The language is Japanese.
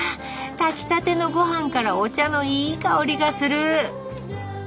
炊きたての御飯からお茶のいい香りがする！